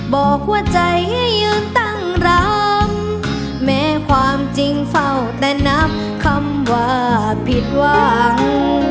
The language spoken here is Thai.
บอกว่าใจให้ยืนตั้งรำแม้ความจริงเฝ้าแต่นับคำว่าผิดหวัง